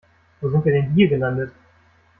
Wo sind wir denn hier gelandet?